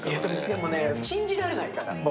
でもね、信じられないから。